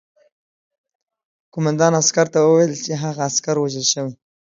قوماندان عسکر ته وویل چې هغه عسکر وژل شوی